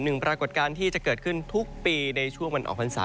ปรากฏการณ์ที่จะเกิดขึ้นทุกปีในช่วงวันออกพรรษา